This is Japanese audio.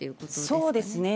そうですね。